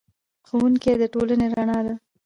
ښوونکی د ټولنې رڼا دی.